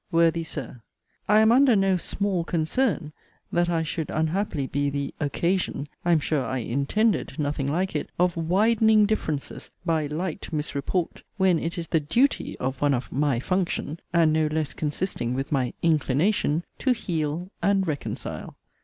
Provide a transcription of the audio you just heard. WORTHY SIR, I am under no 'small concern,' that I should (unhappily) be the 'occasion' (I am sure I 'intended' nothing like it) of 'widening differences' by 'light misreport,' when it is the 'duty' of one of 'my function' (and no less consisting with my 'inclination') to 'heal' and 'reconcile.'